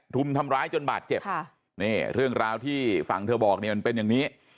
รุมทำร้ายจนบาดเจ็บค่ะนี่เรื่องราวที่ฝั่งเธอบอกเนี่ยมันเป็นอย่างนี้